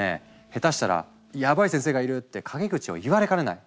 ヘタしたら「ヤバイ先生がいる」って陰口を言われかねない。